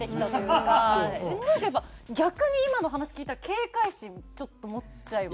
なんかやっぱ逆に今の話聞いたら警戒心ちょっと持っちゃいました。